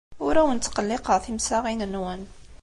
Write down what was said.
Ur awen-ttqelliqeɣ timsaɣin-nwen.